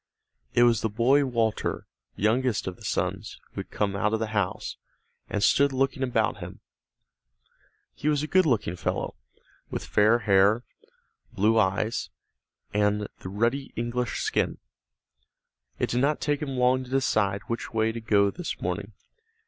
It was the boy Walter, youngest of the sons, who had come out of the house, and stood looking about him. He was a good looking fellow, with fair hair, blue eyes, and the ruddy English skin. It did not take him long to decide which way to go this morning.